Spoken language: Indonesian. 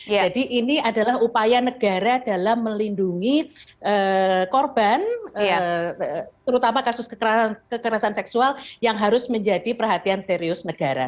jadi ini adalah upaya negara dalam melindungi korban terutama kasus kekerasan seksual yang harus menjadi perhatian serius negara